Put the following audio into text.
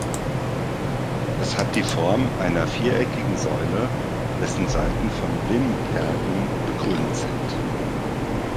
Es hat die Form einer viereckigen Säule, dessen Seiten von Wimpergen bekrönt sind.